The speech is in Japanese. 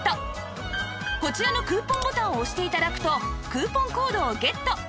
こちらのクーポンボタンを押して頂くとクーポンコードをゲット